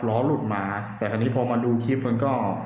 ล้อหลุดมาแต่คราวนี้พอมาดูคลิปมันก็